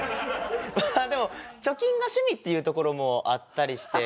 でも貯金が趣味っていうところもあったりして。